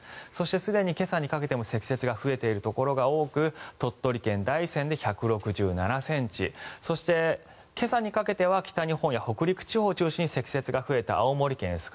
すでに今朝にかけても積雪が増えているところが多く鳥取県大山で１６７ｃｍそして、今朝にかけては北日本や北陸地方を中心に積雪が増えた青森県酸ケ